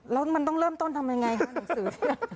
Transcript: แล้วมันต้องเริ่มต้นทำยังไงคะหนังสือ